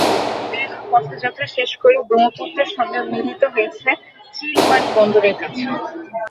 দীর্ঘ পথযাত্রা শেষ করে ব্রহ্মপুত্রের সঙ্গে মিলিত হয়েছে চিলমারী বন্দরের কাছে।